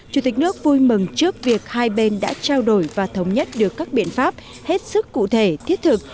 chủ tịch nước vui mừng trước việc hai bên đã trao đổi và thống nhất được các biện pháp hết sức cụ thể thiết thực